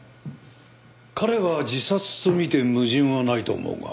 彼は自殺とみて矛盾はないと思うが。